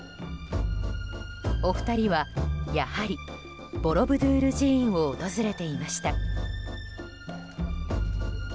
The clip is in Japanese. お二人は、やはりボロブドゥール寺院を訪れていました。